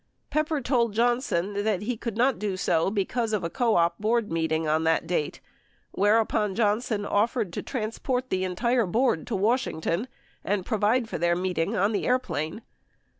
Pepper told Johnson that he could not do so because of a co op board meeting on that date whereupon Johnson offered to transport the entire board to Washington and provide for their meeting on the airplane.